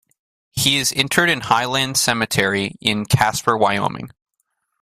He is interred in Highland Cemetery in Casper, Wyoming.